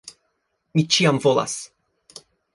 Mi ĉiam volas!